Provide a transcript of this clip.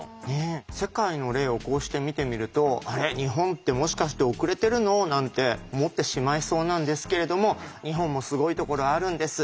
世界の例をこうして見てみると「あれ？日本ってもしかして遅れてるの？」なんて思ってしまいそうなんですけれども日本もすごいところあるんです。